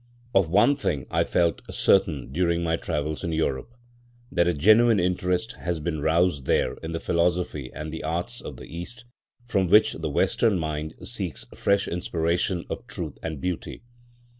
Of one thing I felt certain during my travels in Europe, that a genuine interest has been roused there in the philosophy and the arts of the East, from which the Western mind seeks fresh inspiration of truth and beauty.